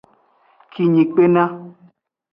Kinyi kpena.